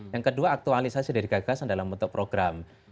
yang kedua aktualisasi dari gagasan dalam bentuk program